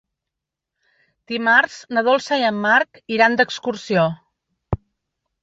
Dimarts na Dolça i en Marc iran d'excursió.